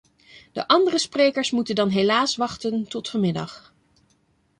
De andere sprekers moeten dan helaas wachten tot vanmiddag.